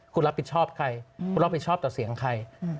คุณรับผิดชอบใครคุณรับผิดชอบต่อเสียงใคร